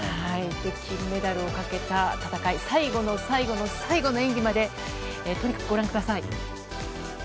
金メダルをかけた戦い最後の最後の最後の演技までとにかくご覧ください。